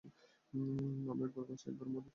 আমরা একবার বাঁচি একবার মরি।